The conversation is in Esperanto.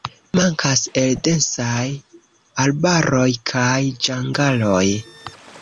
Mankas el densaj arbaroj kaj ĝangaloj.